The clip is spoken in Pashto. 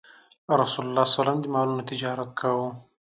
رسول الله ﷺ د مالونو تجارت کاوه.